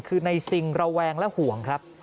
คือในซิงระแวงและห่วงครับ